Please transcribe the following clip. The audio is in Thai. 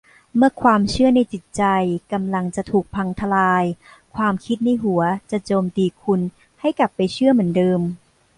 เมื่อความเชื่อในจิตใจกำลังจะถูกพังทะลาย ความคิดในหัวจะโจมตีคุณให้กลับไปเชื่อเหมือนเดิม